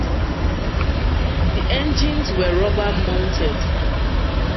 The engines were rubber mounted.